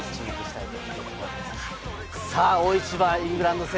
大一番、イングランド戦、